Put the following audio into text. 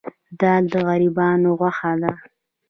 دال د غریبانو غوښه ده.